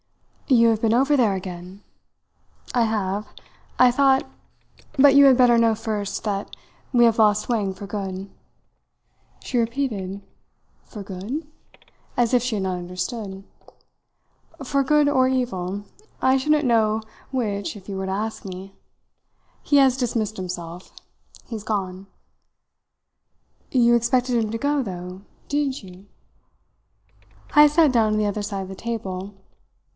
"You have been over there again?" "I have. I thought but you had better know first that we have lost Wang for good." She repeated "For good?" as if she had not understood. "For good or evil I shouldn't know which if you were to ask me. He has dismissed himself. He's gone." "You expected him to go, though, didn't you?" Heyst sat down on the other side of the table.